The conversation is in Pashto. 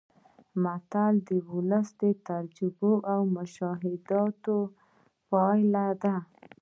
متل د ولس د تجربو او مشاهداتو پایله ده